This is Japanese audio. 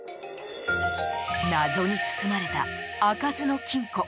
謎に包まれた開かずの金庫。